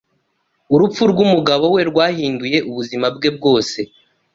Urupfu rw'umugabo we rwahinduye ubuzima bwe rwose.